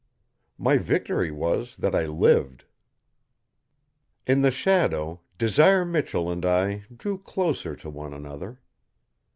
My victory was that I lived. In the shadow, Desire Michell and I drew closer to one another.